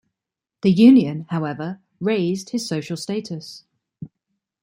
The union, however, raised his social status.